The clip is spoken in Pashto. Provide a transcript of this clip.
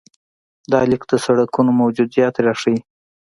دا لیک د سړکونو موجودیت راښيي.